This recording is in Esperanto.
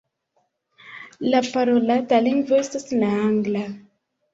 La parolata lingvo estas la angla.